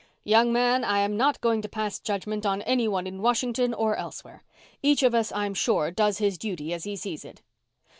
"Young man, I am not going to pass judgment on anyone in Washington or elsewhere. Each of us, I'm sure, does his duty as he sees it."